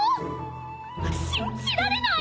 信じられない！